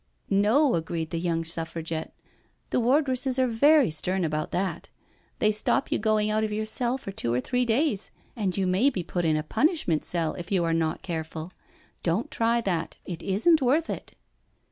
" No/* agreed the young Suffragette, " the war dresses are very stem about that: they stop you going out of your cell for two or three days, and you may. be put in a punishment cell if you are not careful. Don't try that, it isn't worth it."